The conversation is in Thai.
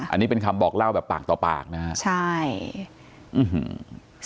อันนี้เป็นคำบอกเล่าแบบปากต่อปากนะฮะใช่อืม